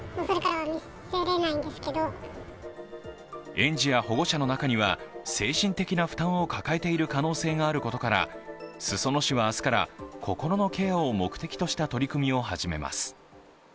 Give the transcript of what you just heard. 園児や保護者の中には、精神的な負担を抱えている可能性があることから裾野市は明日から心のケアを目的とした取り組みを始めます。